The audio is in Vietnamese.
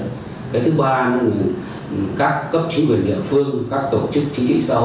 thứ ba các cấp chính quyền địa phương các tổ chức chính trị xã hội